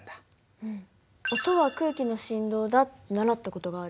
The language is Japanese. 音は空気の振動だって習った事がある。